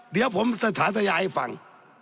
เดี๋ยวผมสาธารณาให้ฟัง